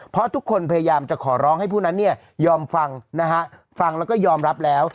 เพราะทุกคนพยายามจะขอร้องให้ผู้นั้นเนี่ยยอมฟังนะฮะฟังแล้วก็ยอมรับแล้ว